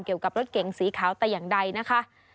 เกี่ยวกับรถเก๋งสีขาวแต่อย่างใดนะคะ